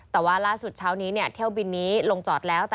แต่ว่าล่าสุดเช้านี้เที่ยวบินนี้ลงจอดแล้ว